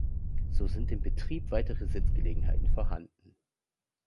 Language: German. So sind im Betrieb weitere Sitzgelegenheiten vorhanden.